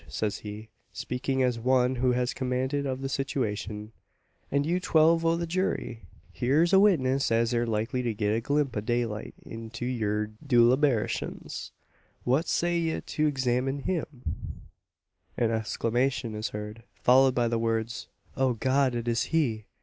says he, speaking as one who has command of the situation, "an' you twelve o' the jury! hyur's a witness as air likely to let a glimp o' daylight into yur dulliberashuns. What say ye to examinin' him?" An exclamation is heard, followed by the words, "O God, it is he!"